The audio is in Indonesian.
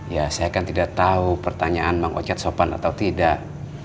ya saya kan tidak tahu pertanyaan bang ocet sopan atau tidak